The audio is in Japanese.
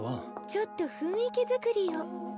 ちょっと雰囲気づくりを。